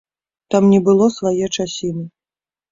Там не было свае часіны.